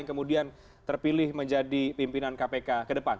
yang kemudian terpilih menjadi pimpinan kpk ke depan